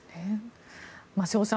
瀬尾さん